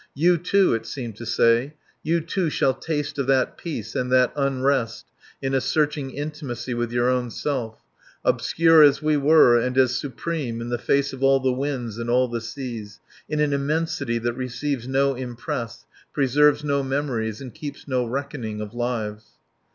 "You, too!" it seemed to say, "you, too, shall taste of that peace and that unrest in a searching intimacy with your own self obscure as we were and as supreme in the face of all the winds and all the seas, in an immensity that receives no impress, preserves no memories, and keeps no reckoning of lives."